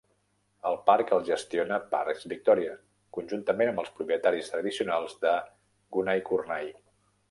El parc el gestiona Parks Victoria conjuntament amb els propietaris tradicionals de Gunaikurnai.